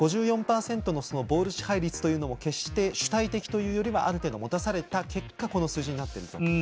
５４％のボール支配率も主体的というよりはある程度持たされた結果この数字になっていると。